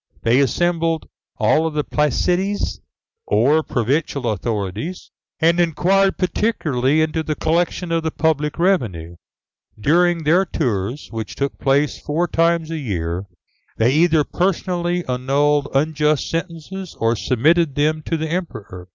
They assembled all the placites, or provincial authorities, and inquired particularly into the collection of the public revenue. During their tours, which took place four times a year, they either personally annulled unjust sentences, or submitted them to the Emperor.